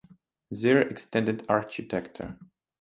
Their extended architecture is also based on reverse Polish notation.